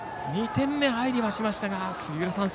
２点目が入りはしましたが杉浦さん